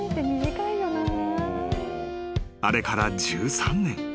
［あれから１３年］